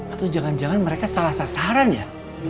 atau jangan jangan mereka salah sasaran ya